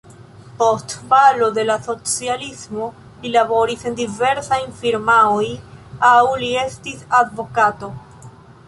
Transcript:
Post falo de la socialismo li laboris en diversaj firmaoj, aŭ li estis advokato.